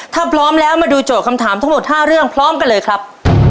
ถ้าพร้อมแล้วมาดูโจทย์คำถามทั้งหมด๕เรื่องพร้อมกันเลยครับ